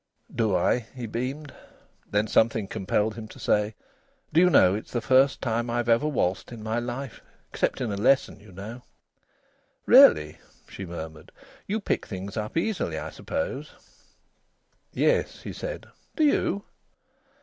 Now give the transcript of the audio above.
"Do I?" he beamed. Then something compelled him to say: "Do you know, it's the first time I've ever waltzed in my life, except in a lesson, you know?" "Really!" she murmured. "You pick things up easily, I suppose?" "Yes," he said. "Do you?"